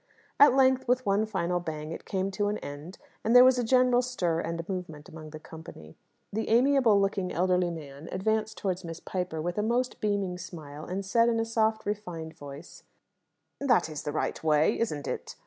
At length, with one final bang, it came to an end, and there was a general stir and movement among the company. The amiable looking elderly man advanced towards Miss Piper with a most beaming smile, and said, in a soft refined voice "That is the right way, isn't it?